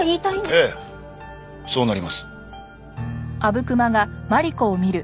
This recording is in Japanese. ええそうなります。